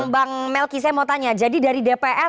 bang melki saya mau tanya jadi dari dpr